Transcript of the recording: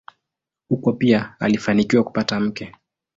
Huko pia alifanikiwa kupata mke.